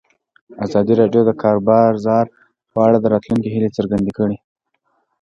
ازادي راډیو د د کار بازار په اړه د راتلونکي هیلې څرګندې کړې.